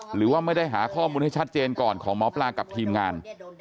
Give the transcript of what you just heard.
หรือว่าไม่ได้หาข้อมูลให้ชัดเจนก่อนของหมอปลากับทีมงาน